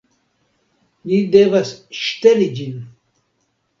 Ni devas ŝteli ĝin